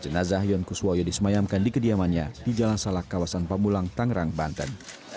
jenazah yonkus woyo disemayamkan di kediamannya di jalan salak kawasan pambulang tangerang banten